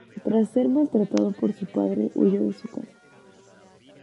Tras ser maltratado por su padre, huyó de su casa.